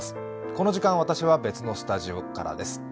この時間、私は別のスタジオからです。